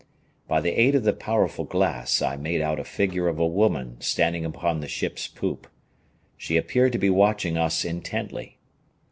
By the aid of the powerful glass I made out a figure of a woman standing upon the ship's poop. She appeared to be watching us intently.